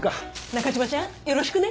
中嶋ちゃんよろしくね。